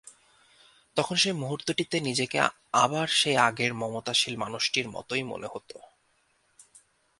তখন সেই মুহূর্তটিতে নিজেকে আবার সেই আগের মমতাশীল মানুষটির মতোই মনে হত।